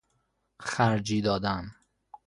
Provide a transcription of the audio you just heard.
خرجی دادن